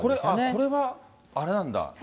これはあれなんだ？